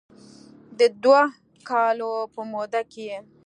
د دوه کالو په موده کې یې